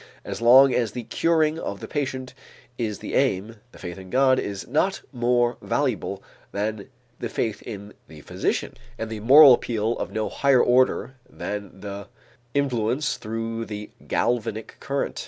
As long as the curing of the patient is the aim, the faith in God is not more valuable than the faith in the physician and the moral appeal of no higher order than the influence through the galvanic current.